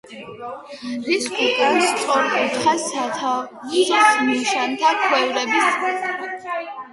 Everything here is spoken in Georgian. რის უკან სწორკუთხა სათავსოს ნაშთია ქვევრების ფრაგმენტებით.